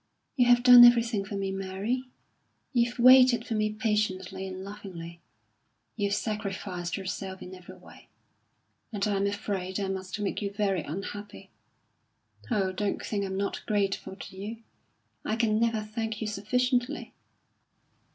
You have done everything for me, Mary. You've waited for me patiently and lovingly; you've sacrificed yourself in every way; and I'm afraid I must make you very unhappy Oh, don't think I'm not grateful to you; I can never thank you sufficiently."